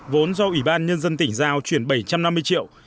vốn do ủy ban nhân dân tỉnh giao chuyển bảy trăm năm mươi triệu